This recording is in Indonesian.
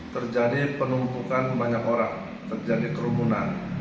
terjadi penumpukan banyak orang terjadi kerumunan